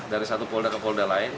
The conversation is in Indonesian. dari satu polda ke polda lain